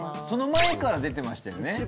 その前から出てましたよね？